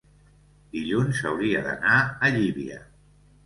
dilluns hauria d'anar a Llívia.